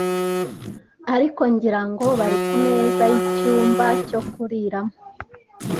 ariko ngira ngo bari kumeza yicyumba cyo kuriramo.